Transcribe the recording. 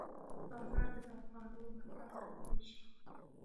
په بازار کې د افغانیو مقدار کمیږي.